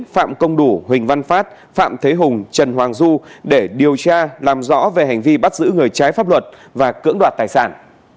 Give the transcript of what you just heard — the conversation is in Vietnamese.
phạm công đủ huỳnh văn phát phạm thế hùng trần hoàng du để điều tra làm rõ về hành vi bắt giữ người trái pháp luật và cưỡng đoạt tài sản